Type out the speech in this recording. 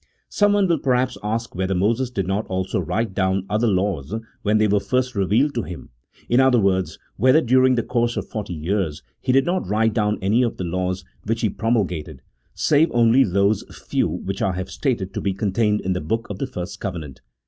Someone will perhaps ask whether Moses did not also write down other laws when they were first revealed to him — in other words, whether, during the course of forty years, he did not write down any of the laws which he promul gated, save only those few which I have stated to be contained in the book of the first covenant.